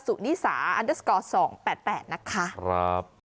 สุนิสาอันเดอร์สกอร์สองแปดแปดนะคะ